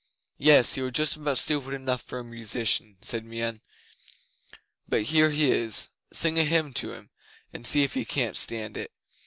'"Yes. You are just about stupid enough for a musician," said Meon. "But here he is. Sing a hymn to him, and see if he can stand it.